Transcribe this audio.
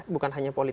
bukan hanya politik